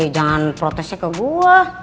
jangan protesnya ke gue